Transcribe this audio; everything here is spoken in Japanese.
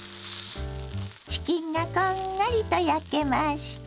チキンがこんがりと焼けました。